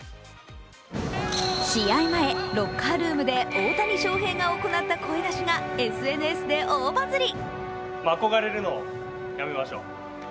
試合前、ロッカールームで大谷翔平が行った声出しがＳＮＳで大バズり。